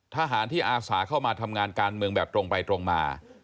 ทหารที่อาสาเข้ามาทำงานการเมืองแบบตรงไปตรงมา